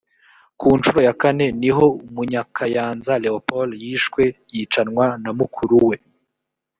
ku ncuro ya kane ni ho munyakayanza leopold yishwe yicanwa na mukuru we